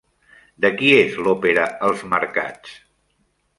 De qui és l'òpera Els marcats?